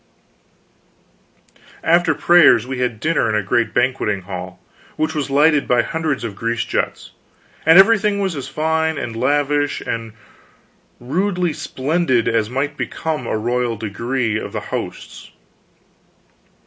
After prayers we had dinner in a great banqueting hall which was lighted by hundreds of grease jets, and everything was as fine and lavish and rudely splendid as might become the royal degree of the hosts.